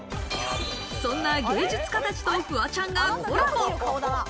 そんな芸術家たちとフワちゃんがコラボ。